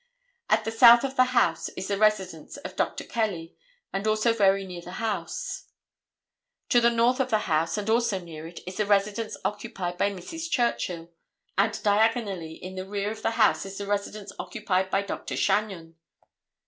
At the south of the house is the residence of Dr. Kelly, and also very near the house. To the north of the house, and also near it, is the residence occupied by Mrs. Churchill, and diagonally in the rear of the house is the residence occupied by Dr. Chagnon.